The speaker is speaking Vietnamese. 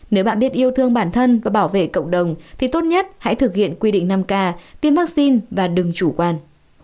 nếu bạn biết yêu thương bản thân và bảo vệ cộng đồng thì tốt nhất hãy thực hiện quy định năm k tiêm vaccine và đừng chủ quan